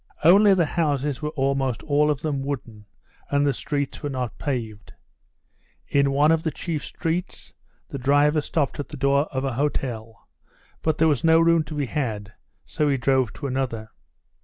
Only the houses were almost all of them wooden, and the streets were not paved. In one of the chief streets the driver stopped at the door of an hotel, but there was no room to be had, so he drove to another.